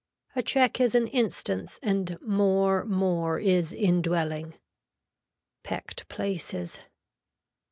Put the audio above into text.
A check is an instance and more more is indwelling. PECKED PLACES.